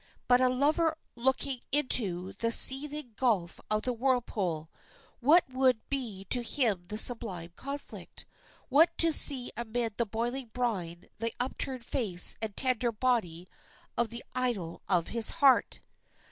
But a lover looking into the seething gulf of the whirlpool what would be to him the sublime conflict? what to see amid the boiling brine the upturned face and tender body of the idol of his heart?